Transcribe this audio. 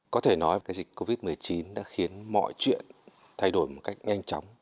có thể nói dịch covid một mươi chín đã khiến mọi chuyện thay đổi một cách nhanh chóng